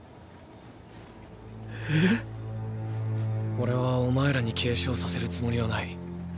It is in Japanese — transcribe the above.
オレはお前らに継承させるつもりはない。